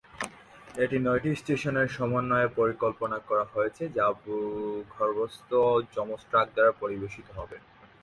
এটি নয়টি স্টেশনের সমন্বয়ে পরিকল্পনা করা হয়েছে, যা ভূগর্ভস্থ যমজ ট্র্যাক দ্বারা পরিবেশিত হবে।